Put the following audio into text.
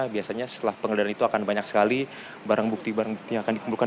biasanya setelah penggela dehan itu akan banyak sekali barang bukti bukti yang akan dikumpulkan